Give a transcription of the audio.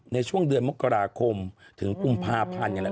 ในช่วงเดือนมกราคมถึงกุมภาพันธ์อย่างนี้แหละ